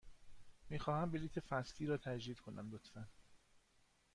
می خواهم بلیط فصلی را تجدید کنم، لطفاً.